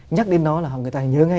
nhắc đến nó là người ta nhớ ngay